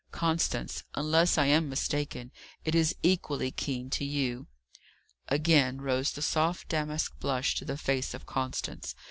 Constance, unless I am mistaken, it is equally keen to you." Again rose the soft damask blush to the face of Constance.